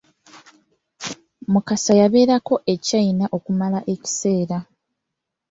Mukasa yabeerako e China okumala ekiseera.